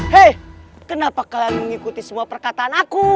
hei kenapa kalian mengikuti semua perkataan aku